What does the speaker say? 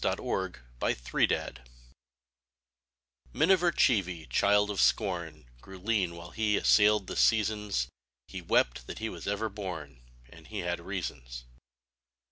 196] MINIVER CHEEVY Miniver Cheevy, child of scom, Grew lean while he assailed the seasons; He wept that he was ever bom, And he had reasons.